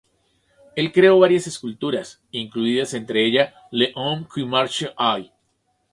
Él creó varias esculturas, incluida entre ellas, "L'Homme qui marche I".